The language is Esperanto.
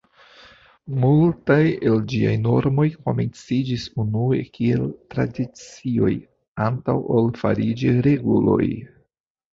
Multaj el ĝiaj normoj komenciĝis unue kiel tradicioj antaŭ ol fariĝi reguloj.